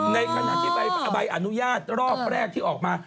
ในขณะที่ใบอนุญาตรอบแรกที่ออกมา